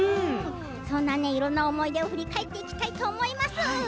いろんな思い出を振り返っていきたいと思います。